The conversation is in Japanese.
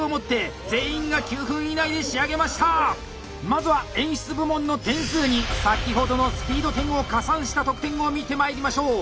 まずは演出部門の点数に先ほどのスピード点を加算した得点を見てまいりましょう！